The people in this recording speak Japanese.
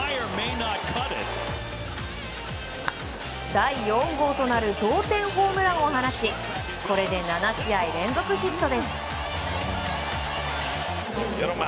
第４号となる同点ホームランを放ちこれで７試合連続ヒットです。